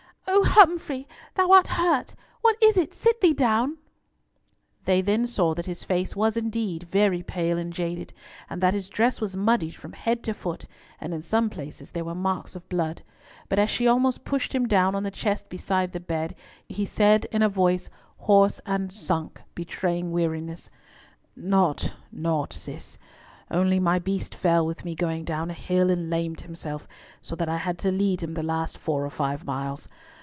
"O Humfrey, thou art hurt! What is it? Sit thee down." They then saw that his face was, indeed, very pale and jaded, and that his dress was muddied from head to foot, and in some places there were marks of blood; but as she almost pushed him down on the chest beside the bed, he said, in a voice hoarse and sunk, betraying weariness— "Naught, naught, Cis; only my beast fell with me going down a hill, and lamed himself, so that I had to lead him the last four or five miles.